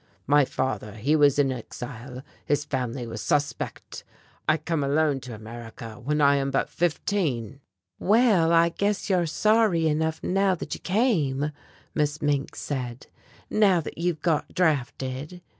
"My father he was in exile. His family was suspect. I come alone to America when I am but fifteen." "Well I guess you're sorry enough now that you came," Miss Mink said, "Now that you've got drafted."